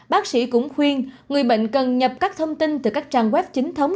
bác sĩ cũng khuyên người bệnh cần nhập các thông tin từ các trang web chính thống